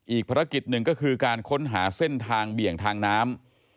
อีกภารกิจหนึ่งก็คือการค้นหาเส้นทางเบี่ยงทางน้ำ